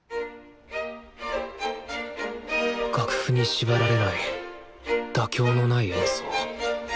楽譜に縛られない妥協のない演奏。